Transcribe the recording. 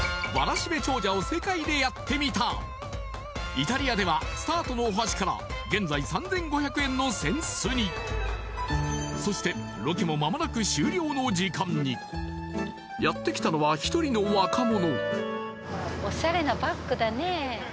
イタリアではスタートのお箸から現在３５００円の扇子にそしてロケもまもなく終了の時間にやってきたのは１人の若者